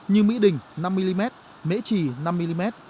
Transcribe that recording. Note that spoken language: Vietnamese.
như mỹ đỉnh năm mm mễ trì năm mm